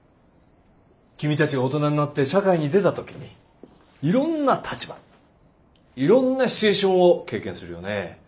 君たちが大人になって社会に出た時にいろんな立場いろんなシチュエーションを経験するよね。